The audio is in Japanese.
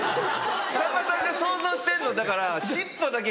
さんまさんが想像してるのだから尻尾だけ。